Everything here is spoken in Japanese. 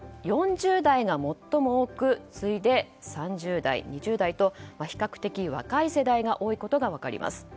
４０代が最も多く次いで３０代、２０代と比較的若い世代が多いことが分かります。